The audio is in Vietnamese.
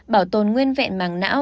bảo tồn nguyên vẹn màng não